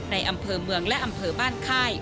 ในอำเภอเมืองและอำเภอบ้านค่าย